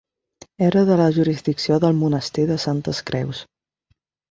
Era de la jurisdicció del monestir de Santes Creus.